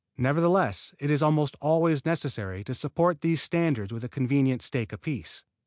Nevertheless it is almost always necessary to support these standards with a convenient stake apiece.